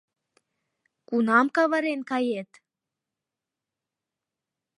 Кунам каварен кает?